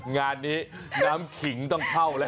งานนี้น้ำขิงต้องเข้าแล้ว